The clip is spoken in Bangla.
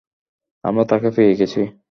আমরা তাকে পেয়ে গেছি।